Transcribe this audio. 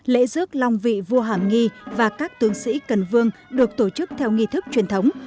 lễ dước long vị vua hàm nghi và các tướng sĩ cần vương được tổ chức theo nghi thức truyền thống